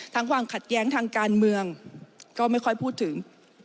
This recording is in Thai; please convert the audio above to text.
ความขัดแย้งทางการเมืองก็ไม่ค่อยพูดถึง